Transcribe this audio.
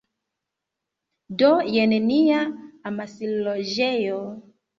Do, jen nia amasloĝejo